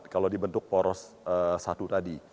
kalau dibentuk poros satu tadi